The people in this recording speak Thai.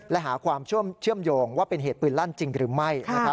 และหาความเชื่อมโยงว่าเป็นเหตุปืนลั่นจริงหรือไม่